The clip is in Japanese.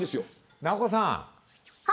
直子さん